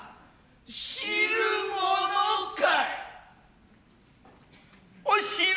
知るものか。